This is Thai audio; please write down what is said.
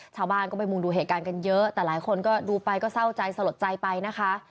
ชาวบ้านก็ไปมุงดูเหตุการณ์กันเยอะแต่หลายคนก็ดูไปก็เศร้าใจสลดใจไปนะคะ